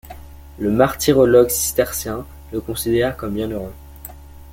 Le martyrologe cistercien le considère comme bienheureux.